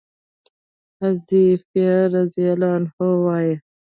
حذيفه رضي الله عنه وايي: